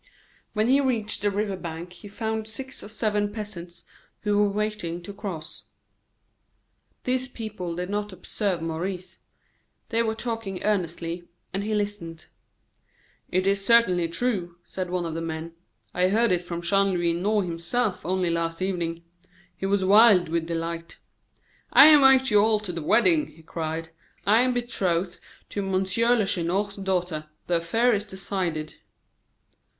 When he reached the river bank he found six or seven peasants who were waiting to cross. These people did not observe Maurice. They were talking earnestly, and he listened. "It is certainly true," said one of the men. "I heard it from Chanlouineau himself only last evening. He was wild with delight. 'I invite you all to the wedding!' he cried. 'I am betrothed to Monsieur Lacheneur's daughter; the affair is decided.